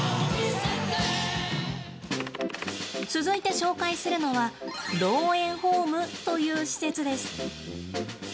続いて紹介するのは老猿ホームという施設です。